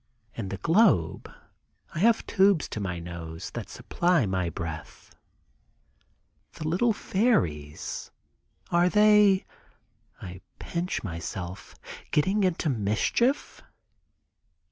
In the globe I have tubes to my nose that supply my breath. The little fairies, are they (I pinch myself) getting into mischief?